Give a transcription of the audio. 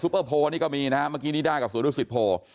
ซูเปอร์โพลนี้ก็มีนะฮะเมื่อกี้นิดากับศูนย์ศูนย์ศิษย์โพล